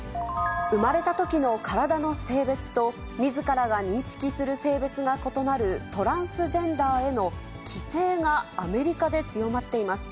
生まれたときの体の性別と、みずからが認識する性別が異なるトランスジェンダーへの規制がアメリカで強まっています。